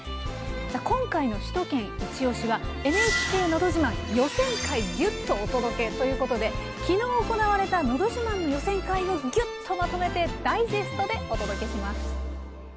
今回の「首都圏いちオシ！」は「ＮＨＫのど自慢予選会ギュッとお届け！」ということで昨日行われた「のど自慢」の予選会をギュッとまとめてダイジェストでお届けします。